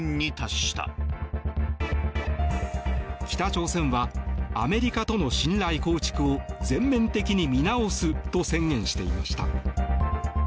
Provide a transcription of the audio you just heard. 北朝鮮はアメリカとの信頼構築を全面的に見直すと宣言していました。